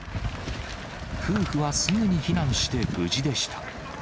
夫婦はすぐに避難して無事でした。